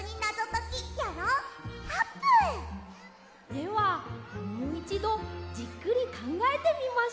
ではもういちどじっくりかんがえてみましょう！